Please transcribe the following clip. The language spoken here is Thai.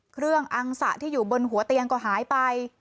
เครื่องอังษะที่อยู่บนหัวเตียงก็หายไป